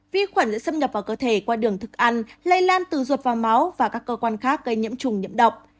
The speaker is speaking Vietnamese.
vi khuẩn sẽ xâm nhập vào cơ thể qua đường thức ăn lây lan từ ruột vào máu và các cơ quan khác gây nhiễm trùng nhiễm độc